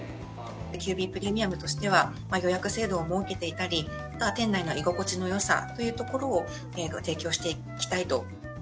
ＱＢプレミアムとしては、予約制度を設けていたり、あとは店内の居心地のよさというところを、ご提供していきたいと。